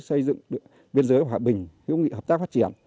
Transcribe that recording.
xây dựng biên giới hòa bình hữu nghị hợp tác phát triển